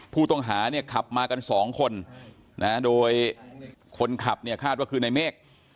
ผู้ต้องหาเนี่ยขับมากันสองคนนะโดยคนขับเนี่ยคาดว่าคือในเมฆ